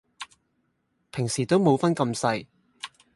平時都冇分咁細